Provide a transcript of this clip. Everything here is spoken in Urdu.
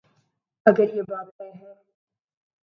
اگر یہ بات طے ہے۔